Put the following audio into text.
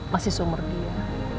masih seumur dia